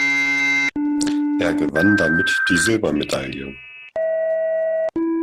Er gewann damit die Silbermedaille.